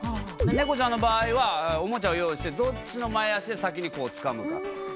ネコちゃんの場合はおもちゃを用意してどっちの前足で先にこうつかむか。